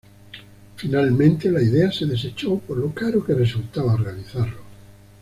Finalmente la idea se desechó por lo caro que resultaba realizarlo.